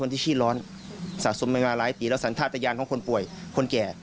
ที่ขี้ร้อนสะสมไปมาหลายปีแล้วสัญชาติยานของคนป่วยคนแก่